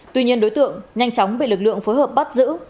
tuy nhiên đối tượng nhanh chóng bị lực lượng phối hợp bắt giữ